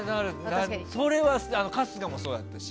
それは、春日もそうだったし。